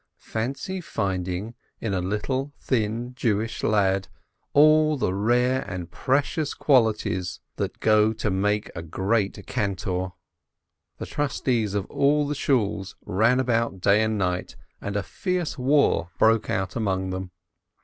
Fancy finding in a little, thin Jewish lad all the rare and precious qualities that go to make a great cantor ! The trustees of all the Shools ran about day and night, and a fierce war broke out among them.